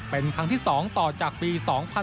เป็นครั้งที่๒ต่อจากปี๒๕๖๒